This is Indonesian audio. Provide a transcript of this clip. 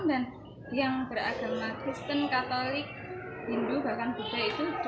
dan yang beragama kristen katolik hindu bahkan buddha itu